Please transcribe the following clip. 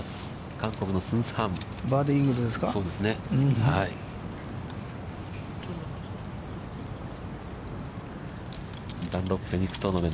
韓国のスンス・ハン。